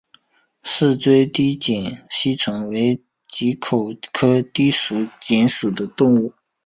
似锥低颈吸虫为棘口科低颈属的动物。